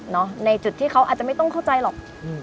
ในจุดที่เขาอาจจะไม่ต้องเข้าใจหรอก